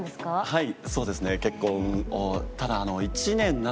はい。